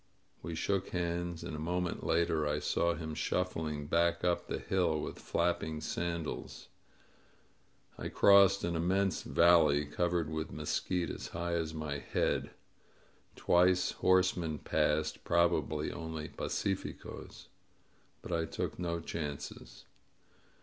We shook hands, and a moment later I saw him shuf fling back up the hill with flapping sandals. I crossed an immense valley covered with mesquite as high as my head. Twice horsemen passed, probably only pacificosy but I took no chances.